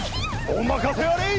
お任せあれい！